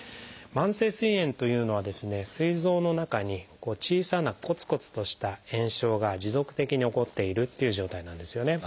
慢性すい炎というのはすい臓の中に小さなコツコツとした炎症が持続的に起こっているという状態なんですよね。